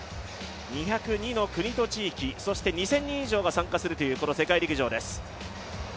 ２０２の国と地域、そして２０００人以上が参加するというこの世界陸上です。